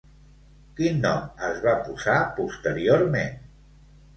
Quin nom es va posar posteriorment?